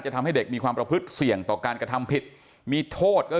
ทำให้เด็กมีความประพฤติเสี่ยงต่อการกระทำผิดมีโทษก็